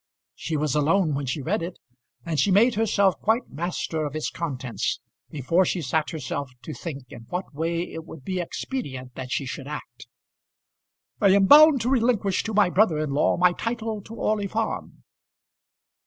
She was alone when she read it, and she made herself quite master of its contents before she sat herself to think in what way it would be expedient that she should act. "I am bound to relinquish to my brother in law my title to Orley Farm."